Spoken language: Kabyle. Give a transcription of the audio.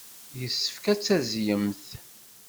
Yessefk ad tazzlemt.